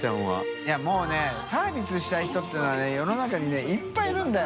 いもうねサービスしたい人ていうのはねい涼罎砲いっぱいいるんだよ。